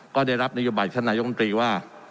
ก็ได้รับนโยบัติขณะยกนตรีว่า